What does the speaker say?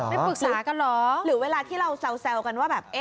ไปปรึกษากันเหรอหรือเวลาที่เราแซวกันว่าแบบ